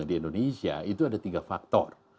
di indonesia itu ada tiga faktor